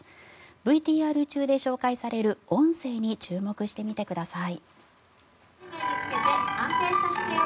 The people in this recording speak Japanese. ＶＴＲ中で紹介される音声に注目してみてください。